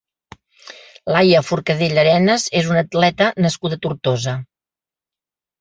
Laia Forcadell Arenas és una atleta nascuda a Tortosa.